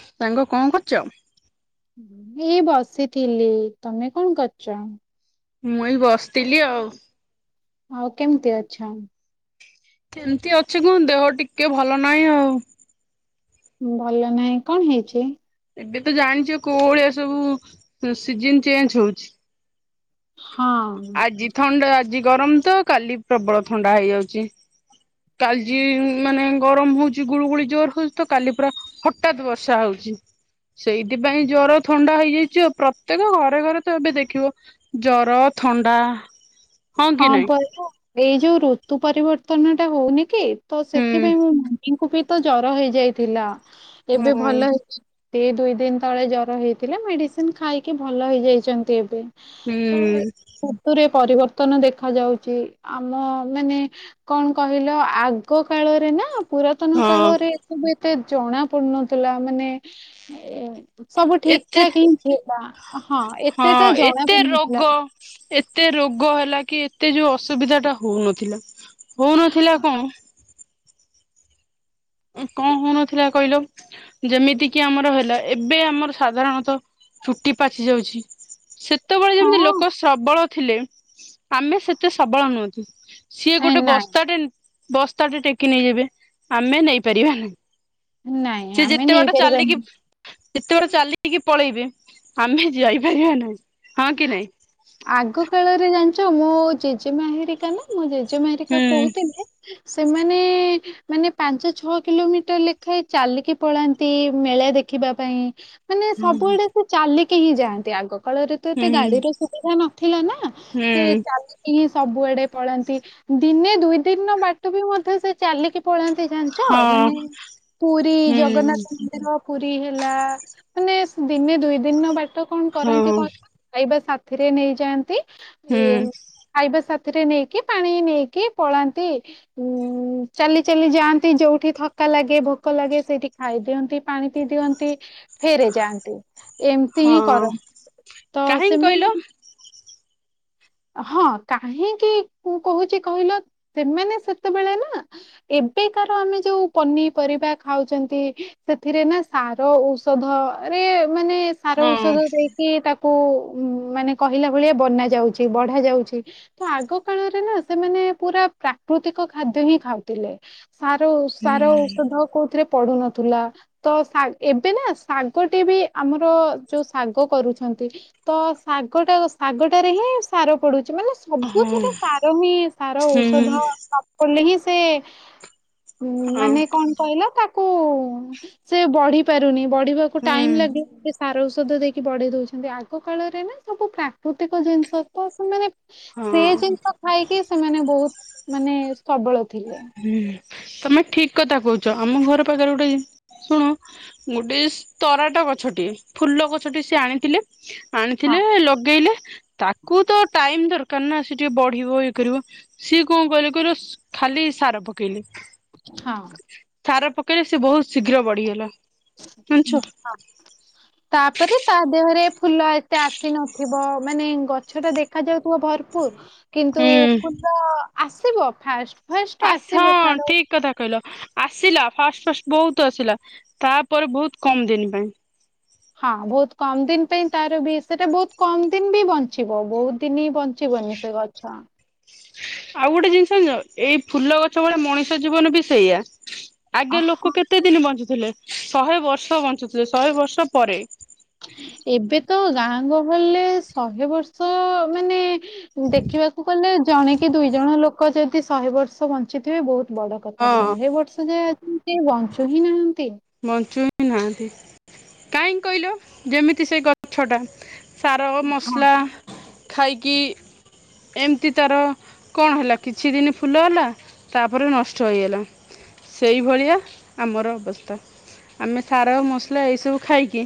ସାଙ୍ଗ କଣ କରୁଛ? ଏଇ ବସିଥିଲି ତମେ କଣ କରୁଛ? ମୁଇଁ ବସିଥିଲି ଆଉ। ହଉ କେମିତି ଅଛ? କେମିତି ଅଛି କଣ ଦେହ ଟିକେ ଭଲ ନାହିଁ ଆଉ। ଭଲ ନାହିଁ କଣ ହେଇଛି? ଏବେ ତ ଜାଣିଛ କୋଉ ଭଳିଆ ସବୁ ସିଜନ ଚେଞ୍ଜ ହଉଛି। ହଁ ଆଜି ଥଣ୍ଡା ଆଜି ଗରମ ତ କାଲି ପ୍ରବଳ ଥଣ୍ଡା ହେଇଯାଉଛି। କାଲି ଜି ମାନେ ଗରମ ହଉଚି ଗୁଳୁଗୁଳି ଜୋର ହଉଛି ତ କାଲି ପୁରା ହଠାତ୍ ବର୍ଷା ହଉଚି। ସେଇଥିପାଇଁ ଜର ଥଣ୍ଡା ହେଇଯାଇଛି ଆଉ ପ୍ରତ୍ୟେକ ଘରେ ଘରେ ତ ଏବେ ଦେଖିବ ଜର ଥଣ୍ଡା କି ହଁ ନାଇଁ ପରା ଏଇ ଯୋଉ ଋତୁ ପରିବର୍ତ୍ତନ ଟା ହଉନି କି ତ ହୁଁ ସେଥିପାଇଁ ମୋ ମମିଙ୍କୁ ବି ତ ଜର ହେଇଯାଇଥିଲା ଏବେ ହୁଁ ଭଲ ହେଇ ସେ ଦୁଇ ଦିନ ତଳେ ଜର ହେଇଥିଲା ମେଡିସିନ ଖାଇକି ଭଲ ହେଇଯାଇଛନ୍ତି ଏବେ ହୁଁ। ତ୍ତନ ଦେଖାଯାଉଛି ଆମ ମାନେ କଣ କହିଲ ଆଗ କାଳରେ ନା ପୁରାତନ ହଁ କାଳରେ ସବୁ ଏତେ ଜଣା ପଡୁନଥିଲା ମାନେ ଏ ସବୁ ଠିକ ଏତେ ଠାକ ହିଁ ହେଲା ହଁ ହଁ ଏତେଟା ଜଣା ଏତେ ରୋଗ ପଡୁନଥିଲା। ଏତେ ରୋଗ ହେଲା କି ଏତେ ଯୋଉ ଅସୁବିଧା ଟା ହଉନଥିଲା ହଉନଥିଲା କଣ କଣ ହଉନଥିଲା କହିଲ ଯେମିତି କିି ଆମର ହେଲା ଏବେ ଆମର ସାଧାରଣତଃ ଚୁଟି ପାଚି ଯାଉଛି। ସେତେବେଳେ ହଁ ଯେମିତି ଲୋକ ସବଳ ଥିଲେ ଆମେ ସେତେ ସବଳ ନୁହନ୍ତି। ସିଏ ଏ ଗୋଟେ ନାଇଁ ବସ୍ତାଟେ ବସ୍ତାଟେ ଟେକି ନେଇଯିବେ ଆମେ ନେଇପାରିବା ନାଇ। ନାଇଁ ସେ ଆମେ ଯେତେ ବାଟ ଚାଲିକି ନେଇପାରିବାନି ଯେତେବାଟ ଚାଲିକି ପଳେଇବେ ଆମେ ଯାଇପାରିବା ନାହିଁ। ହଁ କି ନାଇଁ ଆଗ କାଳରେ ଜାଣିଛ ମୁଁ ଜେଜେ ମା ହେରିକା ନା ମୁଁ ଜେ ମା ହେରିକ ହୁଁ କହୁଥିଲେ ସେମାନେ ମାନେ ପାଞ୍ଚ ଛଅ କିଲୋମିଟର ଲେଖାଏଁ ଚାଲିକି ପଳାନ୍ତି ମେଳା ଦେଖି ଦେଖିବା ପାଇଁ ମାନେ ହୁଁ ସବୁଆଡେ ସେ ଚାଲିକି ହିଁ ଯାଆନ୍ତି ଆଗ କାଳରେ ତ ଏତେ ହୁଁ ଗାଡିର ସୁବିଧା ନଥିଲା ନା ସେ ହୁଁ ଚାଲିକି ହିଁ ସବୁଆଡେ ପଳାନ୍ତି ଦିନେ ଦୁଇ ଦିନର ବାଟ ବି ମଧ୍ୟ ସେ ଚାଲିକି ପଳାନ୍ତି ତେ ଜାଣିଛ ହଁ ମାନେ ପୁରୀ ହୁଁ ଜଗନ୍ନାଥ ମନ୍ଦିର, ପୁରୀ ହେଲା ମାନେ ଦିନେ ଦୁଇ ଦିନର ବାଟ କଣ ହଁ କରନ୍ତି କହି ଖାଇବା ସାଥିରେ ନେଇଯାଆନ୍ତି ଏ ହୁଁ ଖାଇବା ସାଥି ଥିରେ ନେଇକି ପାଣି ନେଇକି ପଳାନ୍ତି ଉଁ ଚାଲି ଚାଲି ଯାଆନ୍ତି ଯୋଉଠି ଥକା ଲାଗେ ଭୋକ ଲାଗେ ସେଇଠି ଖାଇ ଦିଅନ୍ତି ପାଣି ପିଇ ଦିଅନ୍ତି। ଫେରେ ଯାଆନ୍ତି ଏମତି ହିଁ ହଁ କରନ୍ତି ତ କାହିଁ କହିଲ ସେମାନେ ହଁ କାହିଁକି କହୁଛି କହିଲ ସେମାନେ ସେତେବେଳେ ନା ଏବେକାର ଆମେ ଯୋଉ ପନିପରିବା ଖାଉଛନ୍ତି ସେଥିରେ ନା ସାର ଔଷଧ ରେ ମାନେ ସାର ହଁ ଔଷଧ ଦେଇକି ତାକୁ ମାନେ କହିଲା ଭଳିଆ ବନା ଯାଉଛି ବଢା ଯାଉଛି ତ ଆଗ କାଳରେ ନା ସେମାନେ ପୁରା ପ୍ରାକୃତିକ ଖାଦ୍ୟ ହିଁ ଖାଉଥିଲେ। ସାର ହୁଁ ସାର ଔଷଧ କୋଉଥିରେ ପଡୁନଥିଲା ତ ଏବେ ନା ଶାଗଟି ବି ଆମର ଯୋଉ ଶାଗ କରୁଛନ୍ତି। ତ ଶାଗଟା ଶାଗଟାରେ ହିଁ ସାର ପଡୁଛି ମାନେ ହଁ ସବୁଥିରେ ସାର ହିଁ ସାର ହୁଁ ଔଷଧ ନ କଲେ ହିଁ ସେ ହଁ ମାନେ କଣ କହିଲ ତା କୁ ସେ ବଢି ପାରୁନି ବଢିବାକୁ ହୁଁ ଟାଇମ ଲାଗିଲେ ସାର ଔଷଧ ଦେଇକି ବଢେଇ ଦଉଛନ୍ତି ଆଗ କାଳରେ ନା ସବୁ ପ୍ରାକୃତିକ ଜିନିଷ ତ ସେମାନେ ସେ ହଁ ଜିନିଷ ଖାଇକି ସେମାନେ ବହୁତ ମାନେ ସବଳ ଥିଲେ। ହୁଁ ତମେ ଠିକ କଥା କହୁଛ ଆମ ଘର ପାଖରେ ଗୁଟେ ଶୁଣ ଗୋଟେ ତରାଟ ଗଛଟିଏ ଫୁଲ ଗଛଟି ସେ ଆଣିଥିଲେ ହଁ ଆଣିଥିଲେ ଲଗେଇଲେ। ତାକୁ ତ ଟାଇମ ଦରକାର ନା ସେ ଟିକେ ବଢିବ ଇଏ କରିବ ସିଏ କଣ କହିଲେ କହ ଖାଲି ସାର ପକେଇଲେ। ହଁ, ସାର ପକେଇଲେ ସେ ବହୁତ ଶୀଘ୍ର ବଢ଼ିଗଲା। ତାପରେ ତା ଦେହରେ ଫୁଲ ଏତେ ଆସି ନଥିବ ମାନେ ଗଛ ଟା ଦେଖା ଯାଉଥିବ ଭରପୁର। କିନ୍ତୁ ହୁଁ ଫୁଲ ଆସିବ ଫାଷ୍ଟ। ଫାଷ୍ଟ ଆ ହଁ ଆସିବ ତାର ଠିକ କଥା କହିଲ ଆସିଲା ଫାଷ୍ଟ ଫାଷ୍ଟ ବହୁତ ଆସିଲା ତାପରେ ବହୁତ କମ ଦିନି ପାଇଁ। ହଁ ବହୁତ କମ ଦିନ ପାଇଁ ତାର ବି ସେଟା ବହୁତ କମ ଦିନ ବି ବଞ୍ଚିବ ବହୁତ ଦିନ ହି ବଞ୍ଚିବ ହୁଏ ନି ସେ ଗଛ। ଆଉ ଗୋଟେ ଜିନିଷ ଏଇ ଫୁଲ ଗଛ ଭଳିଆ ମଣିଷ ଜୀବନ ବି ସେଇଆ। ଆଗେ ଅହ, ଲୋକ କେତେ ଦିନ ବଞ୍ଚୁଥିଲେ ଶହେ ବର୍ଷ ବଞ୍ଚୁଥିଲେ ଶହେ ବର୍ଷ ପରେ। ଏବେ ତ ଗାଁ ଗହଳିରେ ଶହେ ବର୍ଷ ମାନେ, ଦେଖିବାକୁ ଗଲେ ଜଣେ କି ଦୁଇ ଜଣ ଲୋକ ଯଦି ଶହେ ବର୍ଷ ବଞ୍ଚିଥିବେ ବହୁତ ବଡ କଥା ହଁ। ଶହେ ବର୍ଷ ଯାଏ ସେ ବଞ୍ଚୁ ହିଁ ନାହାନ୍ତି। ବଞ୍ଚୁ ହି ନାହାନ୍ତି କାହିଁକି କହିଲ ଯେମିତି ସେ ଗଛଟା। ସାର ହଁ ମସଲା ଖାଇକି ଏମିତି ତାର କଣ ହେଲା କିଛି ଦିନ ଫୁଲ ହେଲା ତାପରେ ନଷ୍ଟ ହୋଇଗଲା ସେଇଭଳିଆ ଆମର ଅବସ୍ଥା। ଆମେ ସାର ମସଲା ଏଇସବୁ ଖାଇକି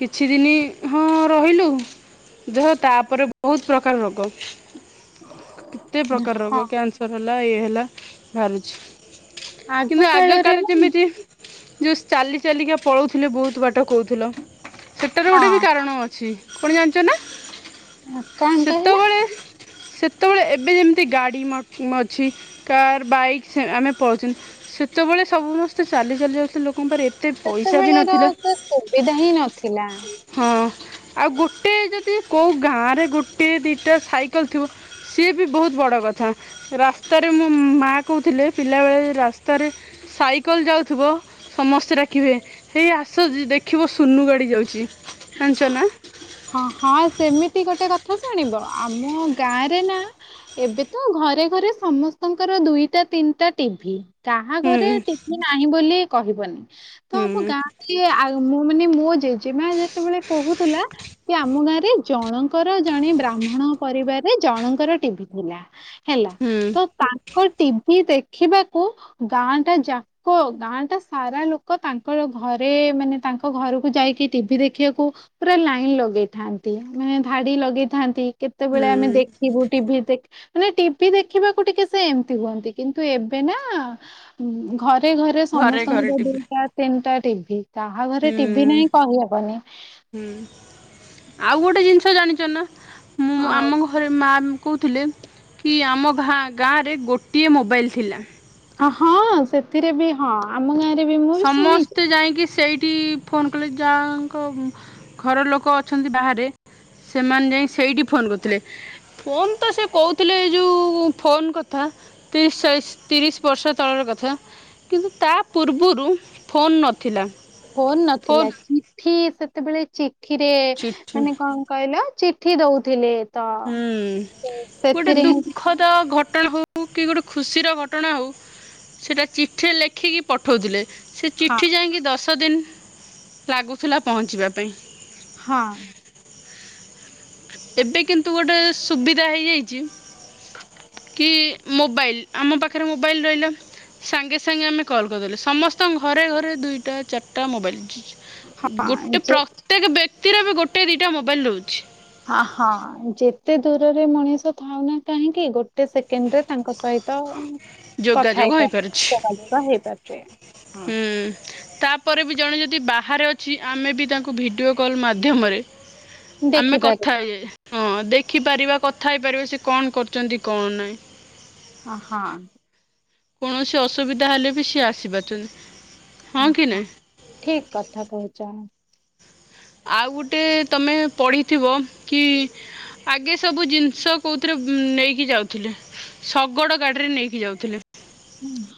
କିଛି ଦିନ ହଁ ରହିଲୁ ଦେହ ତାପରେ ବହୁତ ପ୍ରକାର ରୋଗ। କେତେ ପ୍ରକାର ରୋଗ ହଁ କ୍ୟାନସର ହେଲା ଇଏ ହେଲା ବାହାରୁଛି। କିନ୍ତୁ ଆଗ କାଳରେ କାଳେ ନା ଯେମିତି ଯେଉ ଚାଲି ଚାଲିକା ପଳଉଥିଲେ ବହୁତ ବାଟ କହୁଥିଲ। ସେଟାର ହଁ ଗୋଟେ ବି କାରଣ ଅଛି କଣ ଜାଣିଛ ନା? ହଁ କଣ କହିଲ। ସେତୋବେଳେ ଏବେ ଯେମିତି ଗାଡ଼ି ମାଥି ମଝି କାର୍ ବାଇକ୍ ସେ ଆମେ ପଳୋଛନ୍ତି ସେତୋବୋ ଳେ ସମସ୍ତେ ଚାଲି ଚାଲି ଯାଉଥିଲେ ଲୋକ ମୋ ପାଖରେ ଏତେ ପଇସା ବି ସେତେବେଳେର ନଥିଲା ସେ ସୁବିଧା ହିଁ ନଥିଲା। ହଁ। ଆଉ ଗୋଟେ ଯଦି କୋଉ ଗାଁ ରେ ଗୋଟିଏ ଦିଟା ସାଇକେଲ ଥିବ। ସିଏ ବି ବହୁତ ବଡ କ ରାସ୍ତାରେ ମୋ ମା କୋହୁଥିଲେ ପିଲାବେଳେ ରାସ୍ତାରେ ସାଇକେଲ ଯାଉ ଥୁବ ସମସ୍ତେ ଡାକିବେ ହେଇ ଆସ ଜ ଦେଖିବ ସୁନୁ ଗାଡ଼ି ଯାଉଚି। ହଁ ହଁ ସେମିତି ଗୋଟେ କ ଥା ଶୁଣିବ ଆମ ଗାଁ ରେ ନା ଏବେ ତ ଘରେ ଘରେ ସମସ୍ତଙ୍କର ଦୁଇଟା ତିନିଟା ଟିଭି କାହା ହୁଁ ଘରେ ଟିଭି ନାହିଁ ବୋଲି କହିବନି ତ ହୁଁ ଆମ ଗାଁରେ ଆ ମୁଁ ମାନେ ମୁଁ ମୋ ଜେଜେମା ଯେ ଯେତୋବେଳେ କହୁଥିଲା କି ଆମ ଗାଁ ରେ ଜଣଙ୍କର ଜଣେ ବ୍ରାହ୍ମଣ ପରିବାରରେ ଜଣଙ୍କର ଟିଭି ଥିଲା ହେଲା ହୁଁ ତ ତା ଙ୍କ ଟିଭି ଦେଖିବାକୁ ଗାଁ ଟା ଯାକ ଗାଁ ଟା ସାରା ଲୋକୋ ତାଙ୍କର ଘରେ ମାନେ ତାଙ୍କ ଘରକୁ ଯାଇକି ଟିଭି ଦେ ଖିବାକୁ ପୁରା ଲାଇନ ଲଗେଇଥାନ୍ତି ମାନେ ଧାଡି ଲଗେଇଥାନ୍ତି। କେତେବେଳେ ଆମେ ହୁଁ ଦେଖିବୁ ଟିଭି ଦେ ମାନେ ଟିଭି ଦେଖିବାକୁ ଟିକେ ସେ ଏମତି ହୁଅନ୍ତି। କିନ୍ତୁ ଏବେ ନାଁ ଘରେ ରେ ଘରେ ଘରେ ସମସ୍ତଙ୍କର ଟିଭି ଦୁଇଟା ତିନିଟା ଟିଭି କାହା ହୁଁ ଘରେ ଟିଭି ନାହିଁ କହିହବନି। ହୁଁ ଆଉ ଗୋଟେ ଜିନିଷ ଜାଣିଚ ନା ମୁଁ ଆଉ ଆମ ଘରେ ମା କୋହୁଥିଲେ କି ଆମା ଭାଁ ଗାଁରେ ଗୋଟିଏ ମୋବାଇଲ ଥିଲା। ଆଁ ହଁ ସେଥିରେ ବି ହଁ ଆମ ଗାଁରେ ବି ମୁଁ ବି ଶୁଣିଛି ସମସ୍ତେ ଯାଇକି ସେଇ ଟି ଫୋନ କଲେ ଯାହାଙ୍କ ଘର ଲୋକ ଅଛନ୍ତି। ବାହାରେ ସେମାନେ ଯାଇ ସେଇଡି ଫୋନ୍ କରୁଥିଲେ। ଫୋନ ତ ସେ କୋଉଥିଲେ ଏଇ ଯୋଉ ଫୋନ କଥା ତିରିଶ ଚାଳିଶ ତିରିଶ ବର୍ଷ ତଳର କଥା କିନ୍ତୁ ତା ପୂର୍ ର୍ବୁରୁ ଫୋନ୍ ନଥିଲା। ଫୋନ ନଥିଲା ଫୋନ୍ ଚିଠି ସେତେବେଳେ ଚିଠିରେ ଚିଠି ମାନେ କଁ କହିଲ ଚି ଠି ଦୋଉଥିଲେ। ହୁଁ ଗୋଟେ ହିଁ ଦୁଃଖଦ ଘଟ ଟଣା ହୋଉ କି ଗୋଟେ ଖୁସିର ଘଟଣା ହୋଉ ସେଟା ଚିଠିରେ ଲେଖିକି ପଠୋଉଥିଲେ। ସେ ହଁ ଚିଠି ଯାଇଁକି ଦଶ ଦିନ ଲାଗୁଥିଲା ପହଞ୍ଚିବା ପାଇଁ। ହଁ। ଏବେ କିନ୍ତୁ ଗୋଟେ ସୁବିଧା ହେଇଯାଇଚି। କି ମୋବାଇଲ୍ ଆମ ପାଖରେ ମୋବାଇଲ ରହିଲା। ସାଙ୍ଗେ ସାଙ୍ଗେ ଆମେ କଲ୍ କରିଦେଲେ ସମସ୍ତଙ୍କ ଘରେ ଘରେ ଦୁଇଟା ଚାରିଟା ମୋବାଇଲ। ଗୋଟେ ହଁ ପ୍ରତ୍ୟେକ ବ୍ୟକ୍ତିର ବି ଗୋଟେ ଦିଟା ମୋବାଇଲ ରୋହୁଛି। ଅହଁ ଯେତେ ଦୂରରେ ମଣିଷ ଥାଉ ନା କାହିଁକି ଗୋଟେ ସେକେଣ୍ଡ ରେ ତାଙ୍କ ସହିତ କଥା ଯୋଗାଯୋଗ ହେଇପା ହୋଇପାରୁଛି ଯୋଗାଯୋଗ ହେଇପାରୁଛେ ହୁଁ ହଁ ତା ପରେ ବି ଜଣେ ଯଦି ବାହାରେ ଅଛି। ଆମେ ବି ତାଙ୍କୁ ଭିଡ଼ିଓ କଲ୍ ମାଧ୍ୟମରେ ଆମେ ଦେଖିପାରୁ କଥା ହେଇଯା ହଁ ଦେ ଖିପାରିବା କଥା ହେଇପାରିବା ସେ କଣ କରୁଚନ୍ତି କଣ ନାଇଁ। ଅହଁ। କୌଣସି ଅସୁବିଧା ହେଲେ ବି ସିଏ ଆସିପାରୁଛନ୍ତି। ହଁ କି ଅହଁ ନାଇଁ? ଠିକ କଥା କୋହୁଚ। ଆଉ ଗୋଟେ ତମେ ପଢ଼ିଥିବ କି ଆଗେ ସବୁ ଜିନିଷ କୋଉଥିରେ ନେଇକି ଯାଉଥିଲେ ଶଗଡ଼ ଗାଡ଼ିରେ ନେଇକି ଯାଉଥିଲେ।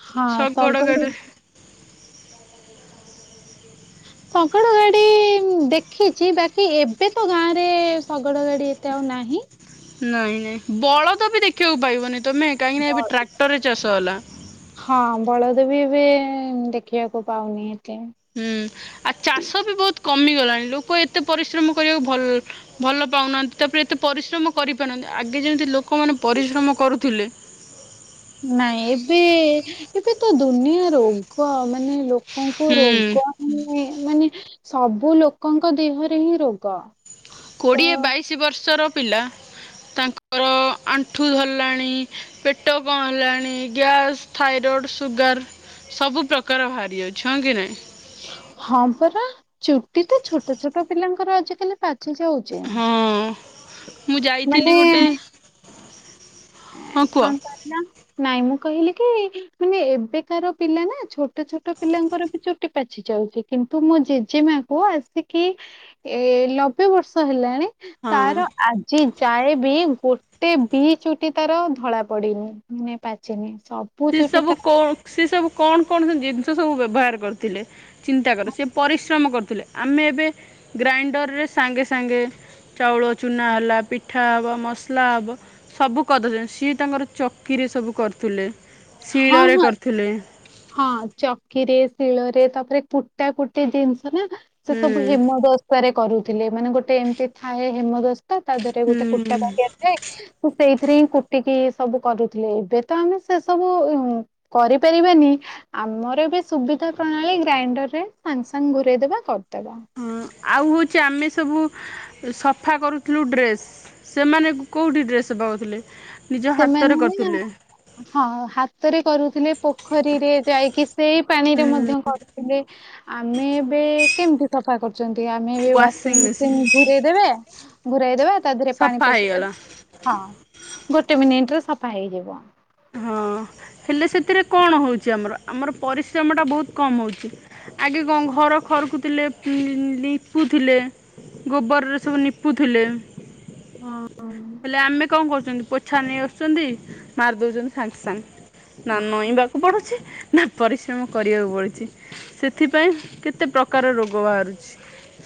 ହଁ ଶଗଡ଼ ସଳେ ଗାଡ଼ିରେ ଶଗଡ଼ ଗାଡି ଦେଖ ଶଗଡ଼ ଗାଡି ଏତେ ଆଉ ନାହିଁ। ନାଇଁ ନାଇଁ ବଳଦ ବି ଦେଖିବାକୁ ପାଇବନି ତୁମେ କାହିଁକିନା ଏବେ ଟ୍ରାକ୍ଟରରେ ଚାଷ ହେଲା। ହଁ ବଳଦ ବି ଏବେ ଦେଖିବାକୁ ପାଉନି ଏତେ। ହୁଁ ଆଉ ଚାଷ ବି ବହୁତ କମିଗଲାଣି ଲୋକ ଏତେ ପରିଶ୍ରମ କରିବାକୁ ଭଲ ଭଲ ପାଉନାହାନ୍ତି ତାପରେ ଏ ଏତେ ପରିଶ୍ରମ କରିପାରୁ ନାହାନ୍ତି ଆଗେ ଯେମିତି ଲୋକମାନେ ପରିଶ୍ରମ କରୁଥିଲେ। ନାଇଁ ଏବେ ଏବେ ତ ଦୁନିଆ ରୋଗ ମା ମାନେ ଲୋକଙ୍କୁ ହୁଁ ରୋଗ ହିଁ ମାନେ ସବୁ ଲୋକଙ୍କ ଦେହରେ ହିଁ ରୋଗ। ତ କୋଡ଼ିଏ ବାଇଶ ବର୍ଷର ପିଲା ତାଙ୍କର ଆଣ୍ଠୁ ଧରିଲାଣି ପେଟ କଣ ହେଲଣି ଗ୍ୟାସ୍ ଥାଇରଡ଼ ବଡ଼ ସୁଗାର ସବୁ ପ୍ରକାର ବାହାରି ଯାଉଛି ହଁ କି ନାଇଁ। ହଁ ପରା ଚୁଟି ତ ଛୋଟ ଛୋଟ ପିଲାଙ୍କର ଆଜିକାଲି ପାଚି ଯାଉଛି ହଁ ମୁଁ ଯାଇଥିଲି ମାନେ ଗୋଟେ ଏ ହଁ କୁହ କଣ କହିଲ? ନାଇଁ ମୁଁ କହିଲି କି ମାନେ ଏବେକାର ପିଲା ନା ଛୋଟ ଛୋଟ ପିଲାଙ୍କର ବି ଚୁଟି ପାଚି ଯାଉଛି କିନ୍ତୁ ମୋ ଜେଜେମା କୁ ଆସିକି ଏ ଲବେ ବର୍ଷ ହେଲାଣି ଟି ହଁ ତାର ଆଜି ଯାଏବି ଗୋଟେ ବି ଚୁଟି ତାର ଧଳା ପଡିନି ମାନେ ପାଚିନି। ସେ ଚୁଟି ସବୁ ତାର କଣ ସ ସବୁ କଣ କଣ ଜିନିଷ ସବୁ ଵ୍ୟବ ବ୍ୟବହାର କରୁଥିଲେ ଚିନ୍ତା କର ସେ ପରିଶ୍ରମ କରୁଥିଲେ ଆମେ ଏବେ ଗ୍ରାଇଣ୍ଡରରେ ସାଙ୍ଗେ ସାଙ୍ଗେ ଚାଉଳ ଚୁନା ହେଲା ପିଠା ହବ ମସଲା ହବ ସବୁ କରିଦଉଛନ୍ତି ସିଏ ତାଙ୍କର ଚକିରେ ସେ ସବୁ କରୁଥିଲେ ହଁ ଶିଳରେ ହଁ କରୁଥିଲେ। ହଁ ଚକିରେ, ଶିଳରେ ତାପରେ କୁଟା କୁଟି ଜିନିଷ ନା ସେ ହୁଁ ସବୁ ହେମଦସ୍ତାରେ କରୁଥିଲେ ମାନେ ଗୋଟେ ଏମିତି ଥାଏ ହେମଦସ୍ତା ତା ଦେହରେ ହୁଁ ଗୋଟେ ହୁଁ। କୁଟା ବାଟିଆ ଥାଏ ତ ସେଇ ଏଥିରେ ହି କୁଟିକି ସବୁ କରୁଥିଲେ ଏବେ ତ ଆମେ ସେ ସବୁ କରିପାରିବାନି ଆମର ବି ସୁବିଧା ପ୍ରଣାଳୀ ଗ୍ରାଇଣ୍ଡର ରେ ସାଙ୍ଗେ ସାଙ୍ଗେ ଘୁରେଇଦବା କରଦଵା ହଁ ଆଉ ହଉଛି ଆମେ ସବୁ ସଫା କରୁଥିଲୁ ଡ୍ରେସ୍ ସେମାନଙ୍କୁ କେଉଁଠି ଡ୍ରେସ୍ ସଫା କରୁଥିଲେ ନିଜ ହାତରେ ସେମାନେ କରୁଥିଲେ। ହଁ। ହାତରେ କରୁଥିଲେ ପୋଖରୀରେ ଯାଇକି ସେଇ ପାଣିରେ ମଧ୍ୟ କରୁଥିଲେ ଆମେ ଏବେ କେମିତି ସଫା କରୁଛନ୍ତି ଆମେ ଏବେ ୱାସିଂ ମେସିନ୍ ୱାସିନମେସିନ ଘୁରେଇ ଦେବେ ଘୁରାଇଦେବେ ତା ଦେହରେ ପାଣି ସଫା ପଶେଇଦେବେ ହେଇଗଲା ହଁ। ଗୋଟେ ମିନିଟରେ ସଫା ହେଇଯିବ। ହଁ ହେଲେ ସେଥିରେ କଣ ହଉଛି ଆମର ଆମର ପରିଶ୍ରମ ଟା ବହୁତ କମ ହଉଛି ଆଗେ କଣ ଘର ଖରକୁଥିଲେ ଲିପୁ ଥିଲେ ଗୋବରରେ ସବୁ ନିପୁଥିଲେ। ହଁ। ହେଲେ ଆମେ କଣ କରୁଛନ୍ତି ପୋଛା ନେଇ ଆସୁଛନ୍ତି ମାରିଦଉଛନ୍ତି ସାଙ୍ଗେ ସାଙ୍ଗେ ନା ନଇଁବାକୁ ପଡୁଛି ନା ପରିଶ୍ରମ କରିବାକୁ ପଡୁଛି ସେଥିପାଇଁ କେତେ ପ୍ରକାର ରୋଗ ବାହାରୁଛି।